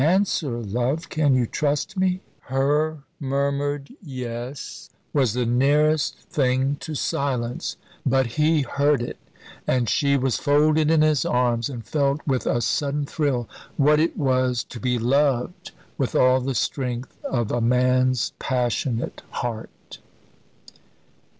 Answer, love, can you trust me?" Her murmured "Yes" was the nearest thing to silence; but he heard it, and she was folded in his arms, and felt with a sudden thrill what it was to be loved with all the strength of a man's passionate heart.